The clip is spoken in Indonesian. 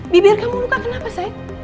bibir kamu luka kenapa saya